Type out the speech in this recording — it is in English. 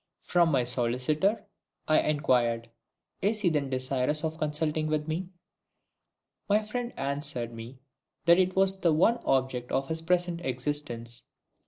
"From my solicitor?" I inquired. "Is he then desirous of consulting with me?" My friend answered me that it was the one object of his present existence.